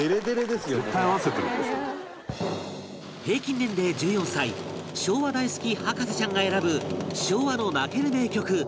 平均年齢１４歳昭和大好き博士ちゃんが選ぶ昭和の泣ける名曲